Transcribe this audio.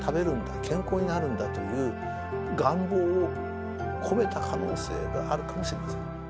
健康になるんだという願望を込めた可能性があるかもしれません。